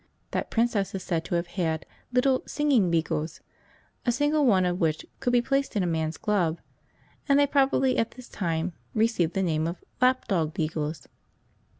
That Princess is said to have had little singing beagles, a single one of which could be placed in a man's glove, and they probably at this time received the name of lap dog beagles.